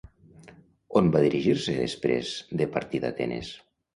On va dirigir-se després de partir d'Atenes?